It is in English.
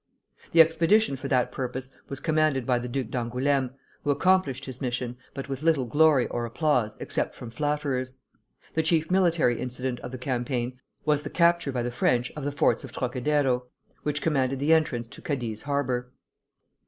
The expedition for that purpose was commanded by the Duc d'Angoulême, who accomplished his mission, but with little glory or applause except from flatterers. The chief military incident of the campaign was the capture by the French of the forts of Trocadéro, which commanded the entrance to Cadiz harbor.